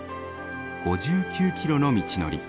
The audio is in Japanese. ５９キロの道のり。